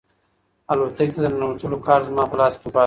الوتکې ته د ننوتلو کارت زما په لاس کې پاتې و.